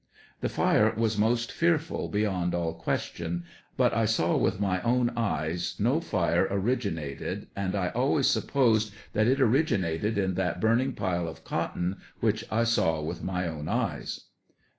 The fire was most fearful beyond all question ; but I saw with my own eyes no fire originated, and I al ways supposed that it originated in that burning pile of cotton which I saw with my own eyes.